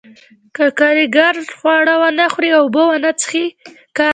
که کارګر خواړه ونه خوري او اوبه ونه څښي